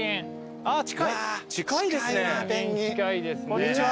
こんにちは。